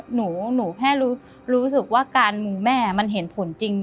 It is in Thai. หนูแค่รู้สึกว่าการมูแม่มันเห็นผลจริง